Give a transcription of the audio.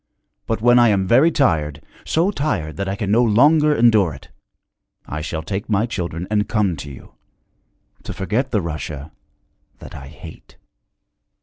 But when I am very tired, so tired that I can no longer endure it, I shall take my children and come to you to forget the Russia that I hate.'